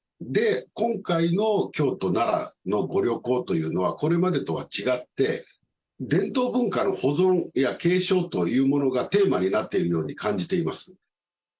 今回の京都、奈良のご旅行というのは、これまでとは違って、伝統文化の保存や継承というものがテーマになっているように感じ